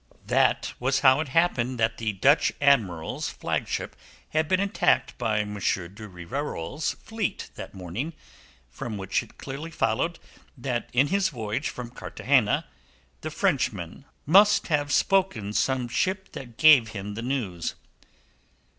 That was how it happened that the Dutch Admiral's flagship had been attacked by M. de Rivarol's fleet that morning, from which it clearly followed that in his voyage from Cartagena, the Frenchman must have spoken some ship that gave him the news.